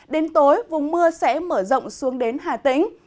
đến tối vùng mưa sẽ mở rộng xuống đến hà tĩnh